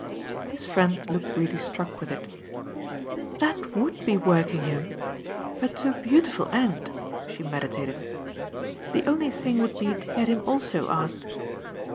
His friend looked really struck with it. "That WOULD be working him. But to a beautiful end!" she meditated. "The only thing would be to get him also asked."